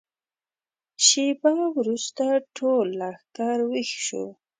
شېبه وروسته ټول لښکر ويښ شو.